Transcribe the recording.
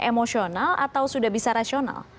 emosional atau sudah bisa rasional